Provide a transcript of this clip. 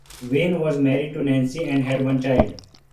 Wayne was married to Nancy and had one child.